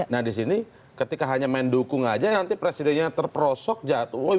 nah di sini ketika hanya mendukung saja nanti presidennya terperosok jatuh